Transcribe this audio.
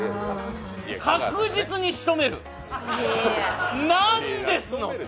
確実に仕留める、なんですの。